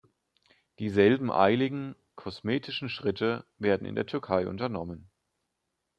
Dieselben eiligen, kosmetischen Schritte werden in der Türkei unternommen.